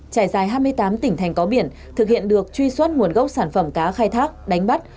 trải dài hai mươi tám tỉnh thành có biển thực hiện được truy xuất nguồn gốc sản phẩm cá khai thác đánh bắt